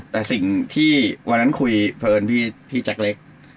แต่สิ่งที่วันนั้นคุยเพลินพี่จักรเล็ก